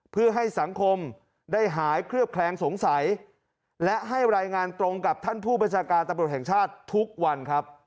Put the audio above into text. เพื่อให้สังคมได้หายเคลือบแคลงสงสัยและให้รายงานตรงกับท่านผู้บัญชาการตำรวจแห่งชาติทุกวันครับ